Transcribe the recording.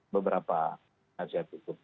beberapa nasihat hukum